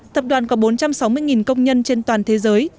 tập đoàn có bốn trăm sáu mươi công nhân trên toàn thế giới